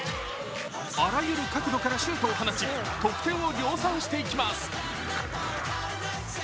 あらゆる角度からシュートを放ち得点を量産していきます。